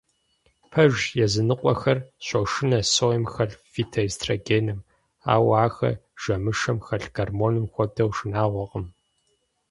Пэжщ, языныкъуэхэр щошынэ соем хэлъ фитоэстрогеным, ауэ ахэр жэмышэм хэлъ гормоным хуэдэу шынагъуэкъым.